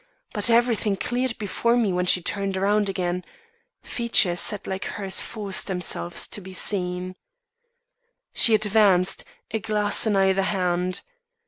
But everything cleared before me when she turned around again. Features set like hers force themselves to be seen. "She advanced, a glass in either hand.